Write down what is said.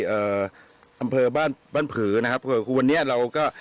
เอ่ออำเภอบ้านบ้านผือนะครับก็คือวันนี้เราก็